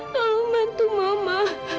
tolong bantu mama